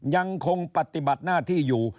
ยังคงปฏิบัติหน้าที่อยู่